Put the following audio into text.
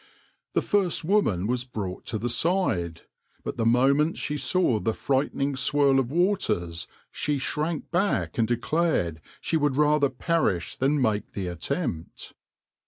\par The first woman was brought to the side, but the moment she saw the frightful swirl of waters she shrank back and declared she would rather perish than make the attempt.